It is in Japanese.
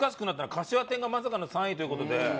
かしわ天がまさかの３位という事で。